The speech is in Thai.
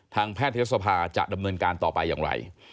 แพทยศภาจะดำเนินการต่อไปอย่างไร